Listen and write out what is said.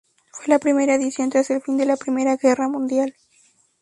Fue la primera edición tras el fin de la Primera Guerra Mundial.